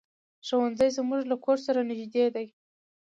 ښوونځی زمونږ له کور سره نږدې دی.